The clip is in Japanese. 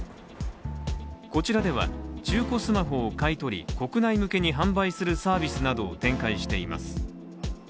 こちらでは中古スマホを買い取り国内向けに販売するサービスなどを展開しています。